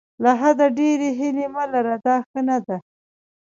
له حده ډېرې هیلې مه لره دا ښه نه ده.